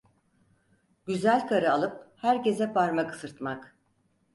Güzel karı alıp herkese parmak ısırtmak…